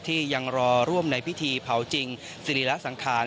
ที่ยังรอร่วมในพิธีเผาจริงสิริระสังขาร